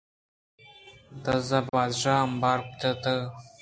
دزّاں بادشاہ ءِ امبار جتگ